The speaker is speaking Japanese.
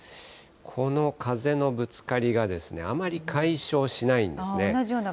この風のぶつかりがあまり解消しないんですね。